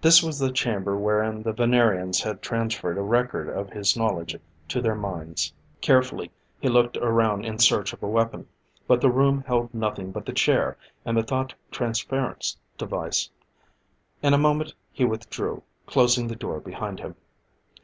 This was the chamber wherein the Venerians had transferred a record of his knowledge to their minds. Carefully he looked around in search of a weapon, but the room held nothing but the chair and the thought transference device. In a moment he withdrew, closing the door behind him.